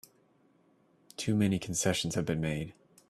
Too many concessions have been made!